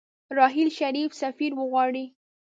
راحیل شريف سفير ورغواړي.